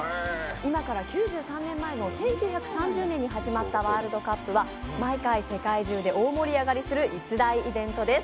今から９３年前の１９３０年に始まったワールドカップは毎回世界中で大盛り上がりする一大イベントです。